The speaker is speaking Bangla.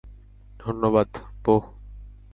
ধন্যবাদ, বোহ।